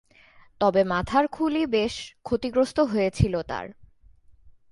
তবে, মাথার খুলি বেশ ক্ষতিগ্রস্ত হয়েছিল তার।